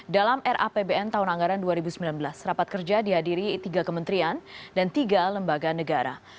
dalam rapbn tahun anggaran dua ribu sembilan belas rapat kerja dihadiri tiga kementerian dan tiga lembaga negara